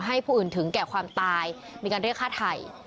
ผู้อื่นถึงแก่ความตายมีการเรียกฆ่าไทย